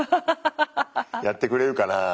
やってくれるかなぁ？